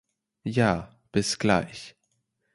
Ja, bis gleich.